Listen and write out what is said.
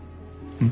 うん？